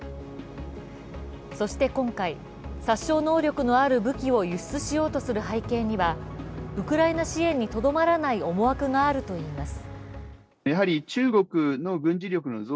そして今回、殺傷能力のある武器を輸出しようとする背景にはウクライナ支援にとどまらない思惑があるといいます。